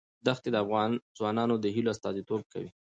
دښتې د افغان ځوانانو د هیلو استازیتوب کوي.